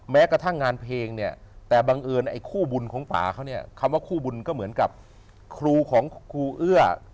แม้กระทั่งงานเพลงเนี่ยแต่บังเอิญไอ้คู่บุญของป่าเขาเนี่ยคำว่าคู่บุญก็เหมือนกับครูของครูเอื้อ